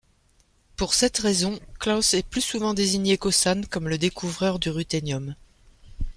Pour cette raison, Klaus est plus souvent désigné qu'Osann comme le découvreur du ruthénium.